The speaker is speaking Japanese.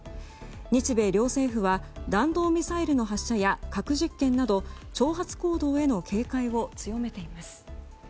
日米両政府は弾道ミサイルの発射や核実験など挑発行動への警戒を強めています。